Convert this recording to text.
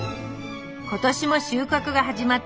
今年も収穫が始まったばかり。